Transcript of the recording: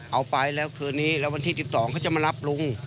เอาไปแล้วคืนนี้แล้ววันที่๑๒เขาจะมารับลุง